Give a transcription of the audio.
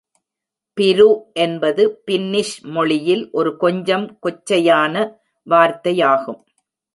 "பிரு" என்பது பின்னிஷ் மொழியில் ஒரு கொஞ்சம் கொச்சையான வார்த்தையாகும்.